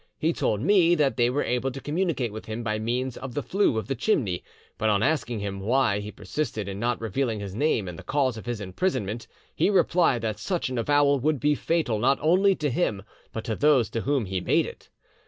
He told me that they were able to communicate with him by means of the flue of the chimney, but on asking him why he persisted in not revealing his name and the cause of his imprisonment, he replied that such an avowal would be fatal not only to him but to those to whom he made it.